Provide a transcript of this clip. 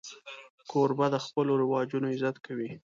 کوربه د خپلو رواجونو عزت کوي.